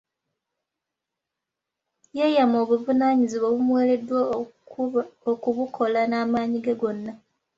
Yeeyama obuvunaanyizibwa obumuweereddwa okubukola n’amaanyi ge gonna.